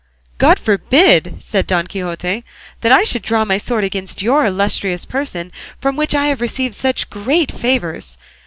"God forbid," said Don Quixote, "that I should draw my sword against your illustrious person from which I have received such great favours.